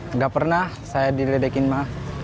enggak pernah saya diledekin ma